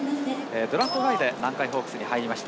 ドラフト外で南海ホークスに入りました。